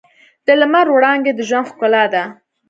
د لمر وړانګې د ژوند ښکلا ده.